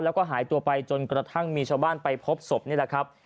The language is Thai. แล้วก็หายตัวไปจนกระทั่งมีชาวบ้านไปพบศพนี่แหละครับ